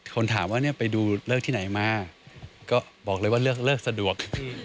คนถามว่าเนี่ยไปดูเลิกที่ไหนมาก็บอกเลยว่าเลิกสะดวก